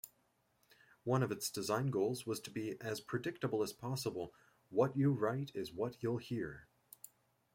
One of its design goals was to be as predictable as possible: 'what-you-write-is-what-you'll-hear'.